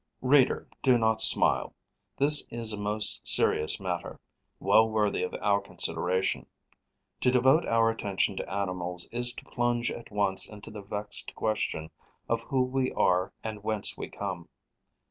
Reader, do not smile: this is a most serious matter, well worthy of our consideration. To devote our attention to animals is to plunge at once into the vexed question of who we are and whence we come.